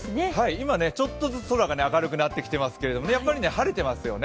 今、ちょっとずつ空が明るくなってきていますけどやっぱり晴れてますよね